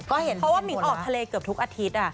เพราะว่ามิ้นออกทะเลเกือบทุกอาทิตย์